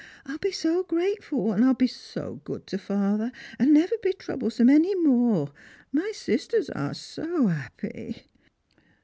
I'll be so grateful, and I'll be so good to father, and never be trouble some any more. My sisters are so 'appy